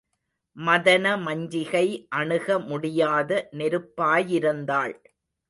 மதனமஞ்சிகை அணுக முடியாத நெருப்பாயிருந்தாள்.